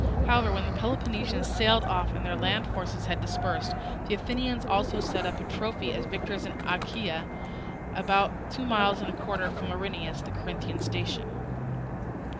However, when the Peloponnesians sailed off and their land forces had dispersed, the Athenians also set up a trophy as victors in Achaia, about two miles and a quarter from Erineus, the Corinthian station.